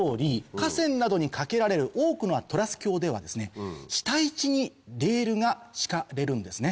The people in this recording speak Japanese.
河川などに架けられる多くのトラス橋では下位置にレールが敷かれるんですね。